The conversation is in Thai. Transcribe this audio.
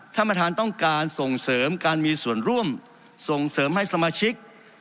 ท่านประธานต้องการส่งเสริมการมีส่วนร่วมส่งเสริมให้สมาชิก